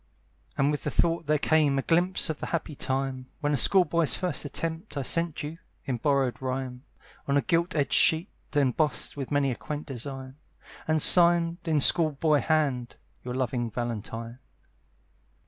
And with the thought there came A glimpse of the happy time When a school boy's first attempt I sent you, in borrowed rhyme, On a gilt edged sheet, embossed With many a quaint design, And signed, in school boy hand, "Your loving Valentine."